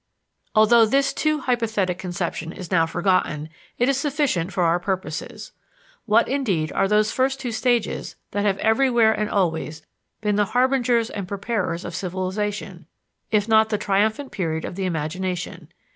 Although this too hypothetic conception is now forgotten, it is sufficient for our purposes. What, indeed, are those first two stages that have everywhere and always been the harbingers and preparers of civilization, if not the triumphant period of the imagination?